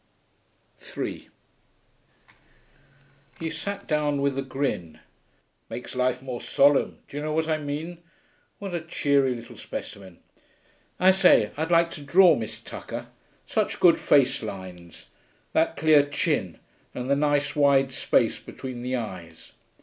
3 He sat down with a grin. 'Makes life more solemn do you know what I mean?... What a cheery little specimen.... I say, I'd like to draw Miss Tucker; such good face lines. That clear chin, and the nice wide space between the eyes.'